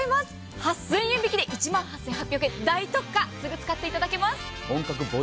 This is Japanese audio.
８０００円引きで１万８８００円、すぐ使っていただけます。